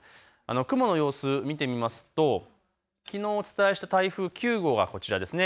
雲の様子、見てみますときのうお伝えした台風９号はこちらです。